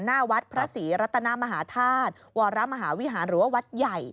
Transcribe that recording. หน้าวัดพระศรีรัตนามหาธาตุวรมหาวิหารหรือว่าวัดใหญ่